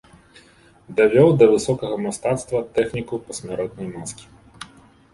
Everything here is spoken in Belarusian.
Давёў да высокага мастацтва тэхніку пасмяротнай маскі.